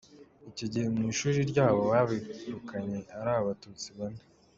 Icyo gihe mu ishuri ryabo babirukanye ari Abatutsi bane.